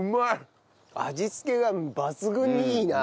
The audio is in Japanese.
味つけが抜群にいいな。